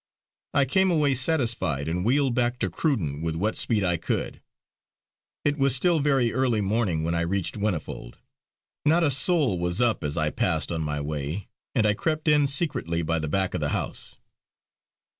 I came away satisfied, and wheeled back to Cruden with what speed I could. It was still very early morning, when I reached Whinnyfold. Not a soul was up as I passed on my way, and I crept in secretly by the back of the house.